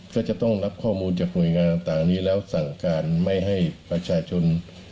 ก็จะต้องรับข้อมูลจากหน่วยงานต่างนี้แล้วสั่งการไม่ให้ประชาชน